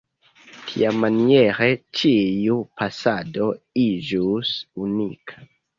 Tiamaniere ĉiu pasado iĝus unika.